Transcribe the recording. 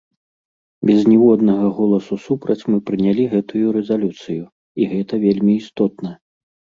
Без ніводнага голасу супраць мы прынялі гэту рэзалюцыю і гэта вельмі істотна.